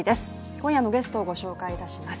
今夜のゲストをご紹介します。